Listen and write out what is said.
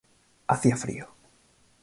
Hacía frío.